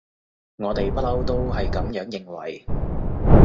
我哋不溜都係噉樣認為